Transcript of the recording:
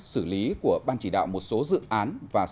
xử lý của ban chỉ đạo một số dự án và